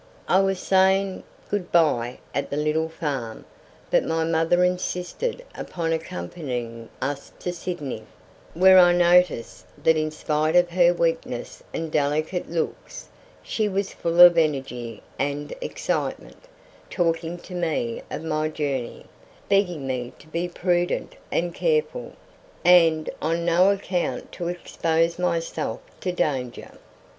I was for saying good bye at the little farm, but my mother insisted upon accompanying us to Sydney, where I noticed that in spite of her weakness and delicate looks, she was full of energy and excitement, talking to me of my journey, begging me to be prudent and careful, and on no account to expose myself to danger.